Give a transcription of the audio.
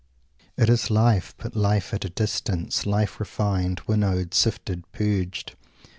It is life but life at a distance Life refined, winnowed, sifted, purged.